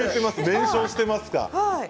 燃焼していますか？